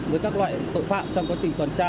với các loại tội phạm trong quá trình tuần tra